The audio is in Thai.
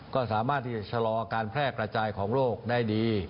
ก็สามารถที่จะชะลอการแพร่กระจายของโรคได้ดี